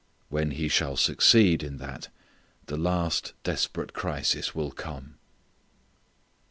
When he shall succeed in that the last desperate crisis will come.